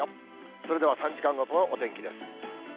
それでは３時間ごとのお天気です。